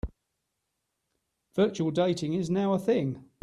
Virtual dating is now a thing.